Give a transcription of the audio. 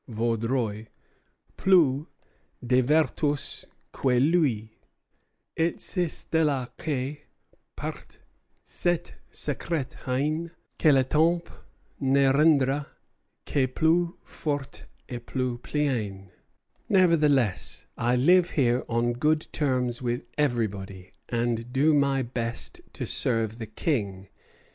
[Vaudreuil], plus de vertus que lui, Et c'est de là que part cette secrète haine Que le temps ne rendra que plus forte et plus pleine.' Nevertheless I live here on good terms with everybody, and do my best to serve the King.